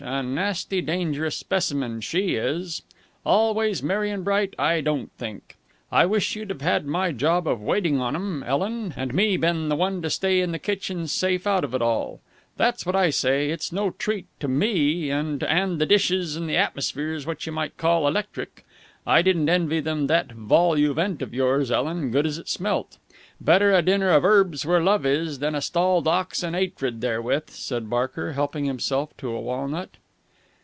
A nasty, dangerous specimen, she is! 'Always merry and bright,' I don't think. I wish you'd have had my job of waiting on 'em, Ellen, and me been the one to stay in the kitchen safe out of it all. That's all I say! It's no treat to me to 'and the dishes when the atmosphere's what you might call electric. I didn't envy them that vol au vent of yours, Ellen, good as it smelt. Better a dinner of 'erbs where love is than a stalled ox and 'atred therewith," said Barker, helping himself to a walnut.